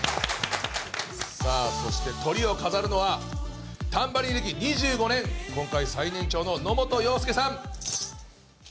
さあそしてトリを飾るのはタンバリン歴２５年今回最年長の野本洋介さん。